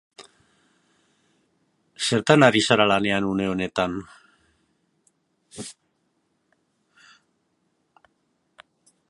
Zertan ari zara lanean une honetan?